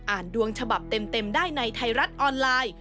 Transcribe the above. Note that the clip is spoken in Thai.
ดวงฉบับเต็มได้ในไทยรัฐออนไลน์